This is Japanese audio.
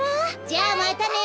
じゃあまたね。